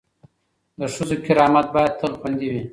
د ښځو کرامت باید تل خوندي وي.